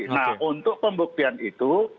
nah untuk pembuktian itu